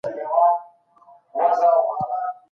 زه هیڅکله په خپل مسلک کي درواغ نه وایم.